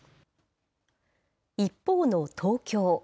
一方の東京。